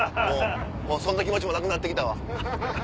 もうそんな気持ちもなくなって来たわ。